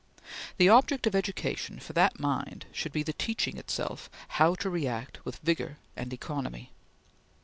The object of education for that mind should be the teaching itself how to react with vigor and economy.